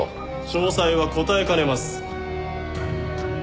詳細は答えかねます。